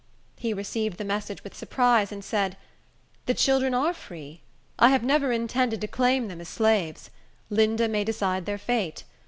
He received the message with surprise, and said, "The children are free. I have never intended to claim them as slaves. Linda may decide their fate.